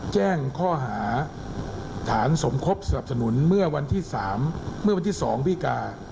แจ้งข้อหาฐานสมครบสนับสนุนเมื่อวันที่๒พิการ